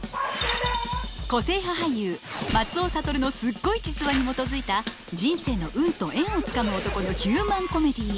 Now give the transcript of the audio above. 個性派俳優松尾諭のスッゴイ実話にもとづいた人生の運と縁をつかむ男のヒューマン・コメディー。